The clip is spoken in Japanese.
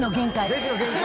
レジの限界？